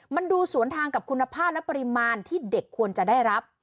มันดูสวนทางกับคุณภาพและปริมาณที่เด็กควรจะได้รับ